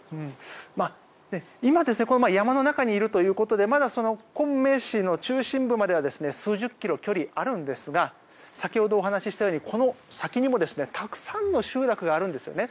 今、山の中にいるということでまだ昆明市の中心部までは数十キロ距離があるんですが先ほどお話ししたようにこの先にもたくさんの集落があるんですよね。